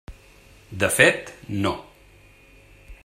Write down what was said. De fet, no.